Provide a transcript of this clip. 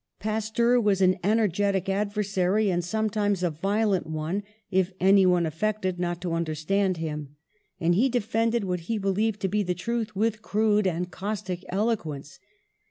Pasteur was an energetic adversary, and sometimes a violent one, if anyone affected not to understand him ; and he defended what he believed to be the truth with crude and caustic eloquence.